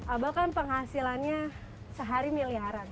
abang kan penghasilannya sehari miliaran